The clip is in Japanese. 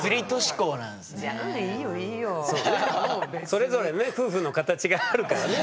それぞれね夫婦の形があるからね。